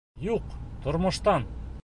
— Юҡ, тормоштан!